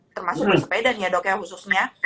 termasuk bersepeda nih ya dok ya khususnya